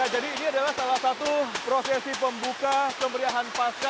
jadi ini adalah salah satu prosesi pembuka kemeriahan pasca